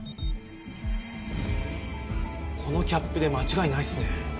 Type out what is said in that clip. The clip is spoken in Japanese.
このキャップで間違いないっすね。